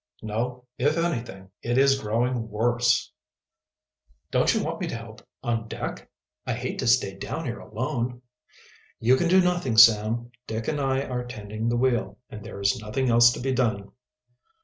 "No; if anything, it is growing worse." "Don't you want me to help on deck? I hate to stay down here alone." "You can do nothing, Sam. Dick and I are tending the wheel, and there is nothing else to be done."